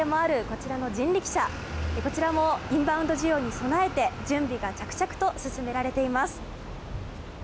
こちらもインバウンド需要に備えて準備が着々と進められています。